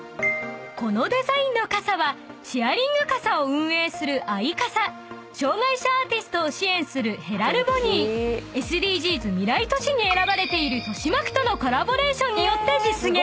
［このデザインの傘はシェアリング傘を運営するアイカサ障がい者アーティストを支援するヘラルボニーＳＤＧｓ未来都市に選ばれている豊島区とのコラボレーションによって実現］